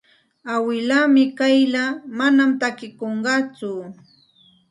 Awilaa Mikayla manam takikunqatsu.